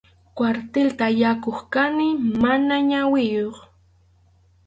Kwartilta yaykuq kanki mana ñawiyuq.